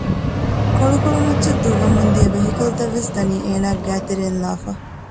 ކޮޅުކޮޅު މައްޗަށް ދުއްވަމުންދިޔަ ވެހިކަލްތައްވެސް ދަނީ އޭނާގެ ގައިތެރެއިން ލާފަ